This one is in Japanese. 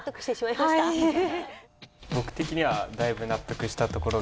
僕的にはだいぶ納得したところがありますね。